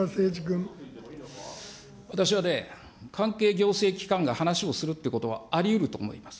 私はね、関係行政機関が話をするということはありうると思います。